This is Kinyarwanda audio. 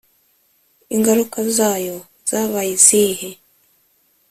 ingaruka zayo zabaye izihe?